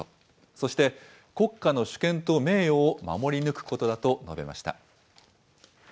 そして、国家の主権と名誉を守り抜くことだと述べました。